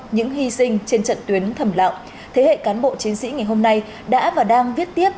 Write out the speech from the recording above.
những hy sinh trên trận tuyến thầm lặng thế hệ cán bộ chiến sĩ ngày hôm nay đã và đang viết tiếp